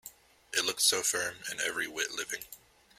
It looked so firm, and every whit living.